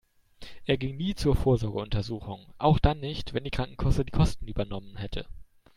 Er ging nie zur Vorsorgeuntersuchung, auch dann nicht, wenn die Krankenkasse die Kosten übernommen hätte.